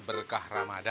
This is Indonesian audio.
gak ada di sana